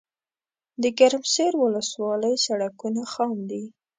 دګرمسیر ولسوالۍ سړکونه خام دي